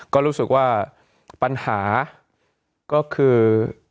ก็รู้สึกว่าปัญหาก็คือ